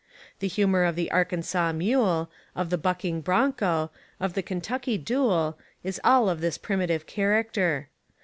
The humour of the Arkansas' mule, of the bucking broncho, of the Kentucky duel, is all of this primitive character.